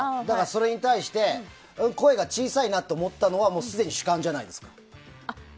それに対して声が小さいなって思ったのはすでに主観じゃないですか。